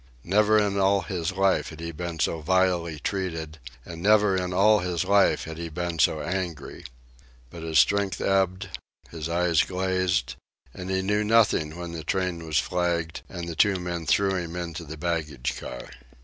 Never in all his life had he been so vilely treated, and never in all his life had he been so angry. But his strength ebbed, his eyes glazed, and he knew nothing when the train was flagged and the two men threw him into the baggage car.